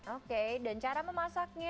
oke dan cara memasaknya